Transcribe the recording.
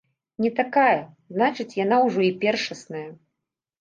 Не такая, значыць, яна ўжо і першасная.